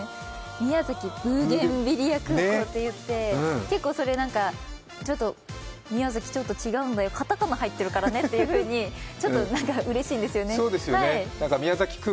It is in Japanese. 宮崎ブーゲンビリア空港といって結構、それ、宮崎、ちょっと違うんだよ、片仮名入ってるからねとちょっと何かうれしいんですよね。